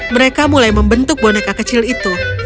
mereka mulai membentuk boneka kecil itu